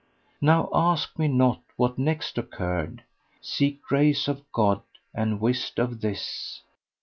Now ask me not what next occurred * Seek grace of God and whist of this!